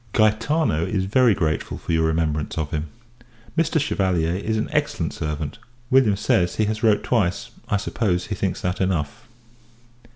_ Gaetano is very grateful for your remembrance of him. Mr. Chevalier is an excellent servant. William says, he has wrote twice; I suppose, he thinks that enough.